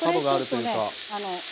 これちょっとね。